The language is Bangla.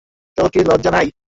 তোর কি লজ্জা নেই?